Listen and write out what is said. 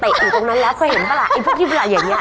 อยู่ตรงนั้นแล้วเคยเห็นปะล่ะไอ้พวกที่เวลาอย่างนี้